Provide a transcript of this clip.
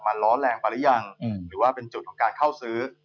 มันร้อนแรงไปหรือยังหรือว่าเป็นจุดของการเข้าซื้อ